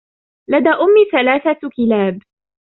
لدى أمي ثلاثة كلاب.